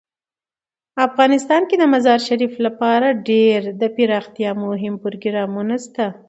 افغانستان کې د مزارشریف لپاره ډیر دپرمختیا مهم پروګرامونه شته دي.